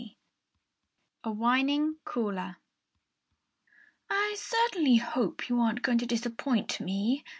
IV A WHINING CALLER "I certainly hope you aren't going to disappoint me?"